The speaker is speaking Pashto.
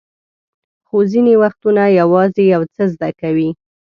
خو ځینې وختونه یوازې یو څه زده کوئ.